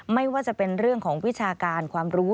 ไม่ว่าจะเป็นเรื่องของวิชาการความรู้